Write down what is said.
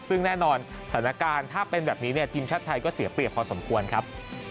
ซึ่งแน่นอนสถานการณ์ถ้าเป็นแบบนี้เนี่ยทีมชาติไทยก็เสียเปรียบพอสมควรครับ